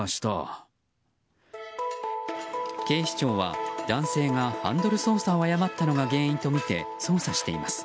警視庁は男性がハンドル操作を誤ったのが原因とみて捜査しています。